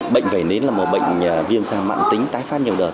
bệnh vẩy nến là một bệnh viêm sang mạng tính tái phát nhiều đợt